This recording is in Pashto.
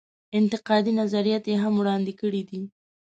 انتقادي نظرات یې هم وړاندې کړي دي.